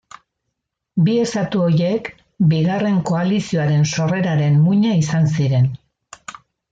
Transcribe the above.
Bi estatu horiek Bigarren Koalizioaren sorreraren muina izan ziren.